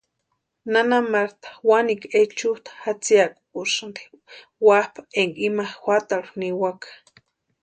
Nana Marta wanikwa echukʼa jatsiakukusïnti wampa énka ima juatarhu niwaka.